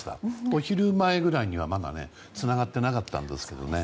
お昼前ぐらいにはまだつながってなかったんですけどね。